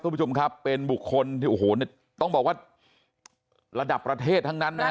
คุณผู้ชมครับเป็นบุคคลที่โอ้โหต้องบอกว่าระดับประเทศทั้งนั้นนะฮะ